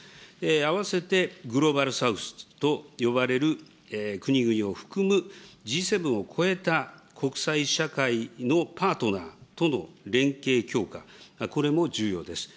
あわせてグローバル・サウスと呼ばれる国々を含むＧ７を超えた国際社会のパートナーとの連携強化、これも重要です。